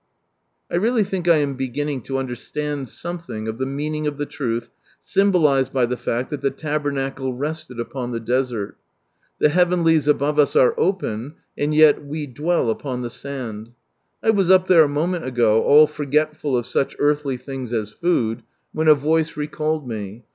... I realty think I am beginning Id understand something of the mean ing of the truth symbolised by the (act that the Tabernacle rested upon the desert. The Heavenlies above us are open, and yet we dwell upon [he sand. I was up there a moment ago, all forgetful of such earthly things as food, when a voice recalled me.